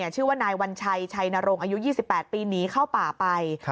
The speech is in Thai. ชื่อว่านายวัญชัยชัยนรงค์อายุ๒๘ปีหนีเข้าป่าไป